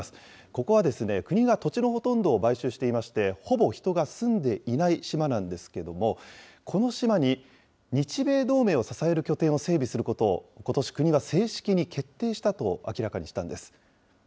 ここは、国が土地のほとんどを買収していまして、ほぼ人が住んでいない島なんですけども、この島に日米同盟を支える拠点を整備することを、ことし、国が正式に決定したと明らかにしたんです。